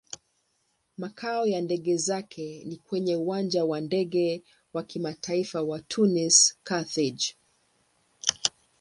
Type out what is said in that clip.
Makao ya ndege zake ni kwenye Uwanja wa Ndege wa Kimataifa wa Tunis-Carthage.